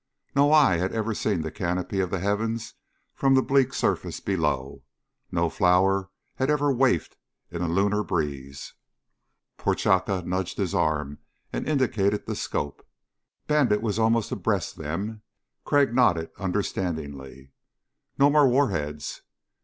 No eye had ever seen the canopy of the heavens from the bleak surface below; no flower had ever wafted in a lunar breeze. Prochaska nudged his arm and indicated the scope. Bandit was almost abreast them. Crag nodded understandingly. "No more warheads."